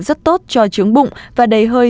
rất tốt cho trứng bụng và đầy hơi